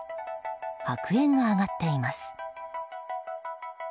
白煙が上がっています。